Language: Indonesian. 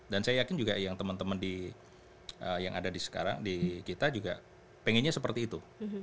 dan saya yakin juga yang teman teman yang ada di sekarang di kita juga pengennya seperti itu